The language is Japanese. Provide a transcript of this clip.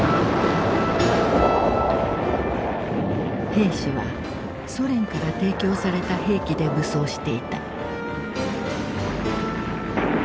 兵士はソ連から提供された兵器で武装していた。